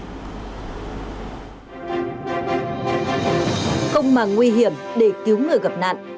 công màng nguy hiểm để cứu người gặp nạn